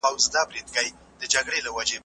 ایا ته غواړې یو نوی کتاب واخلې؟